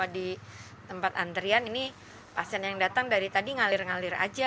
di tempat antrian ini pasien yang datang dari tadi ngalir ngalir aja